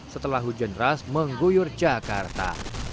setelah hujan ras mengguyur jakarta